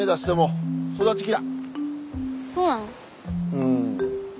うん。